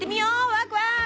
ワクワク！